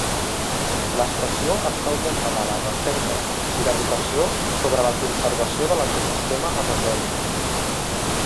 L'estació està orientada a la recerca i l'educació sobre la conservació de l'ecosistema amazònic.